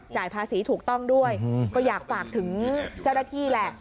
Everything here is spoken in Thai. ภาษีถูกต้องด้วยก็อยากฝากถึงเจ้าหน้าที่แหละ